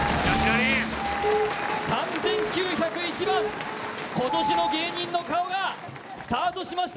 ３９０１番、今年の芸人の顔がスタートしました。